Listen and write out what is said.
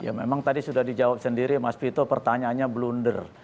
ya memang tadi sudah dijawab sendiri mas vito pertanyaannya blunder